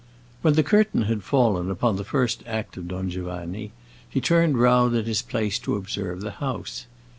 When the curtain had fallen upon the first act of "Don Giovanni" he turned round in his place to observe the house.